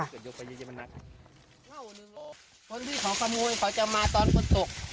เดี๋ยวยกไปเย็นเย็นมันหนักคนที่ของขโมยเขาจะมาตอนพ้นตก